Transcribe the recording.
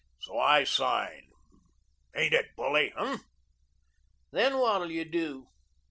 So I signed. Ain't it bully, hey?" "Then what'll you do?"